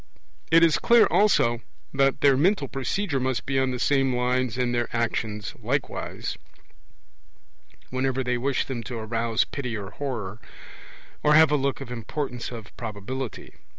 It is clear, also, that their mental procedure must be on the same lines in their actions likewise, whenever they wish them to arouse pity or horror, or have a look of importance or probability.